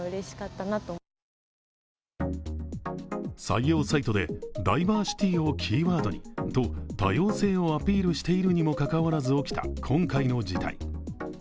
採用サイトでダイバーシティをキーワードにと多様性をアピールしているにもかかわらず起きた今回の事態。